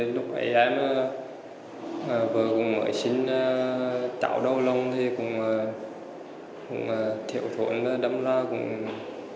lúc ấy em vừa mới sinh cháu đầu lông thì cũng thiệu thuẫn đâm loa cũng làm liều